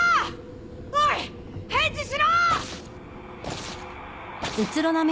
おいっ返事しろ！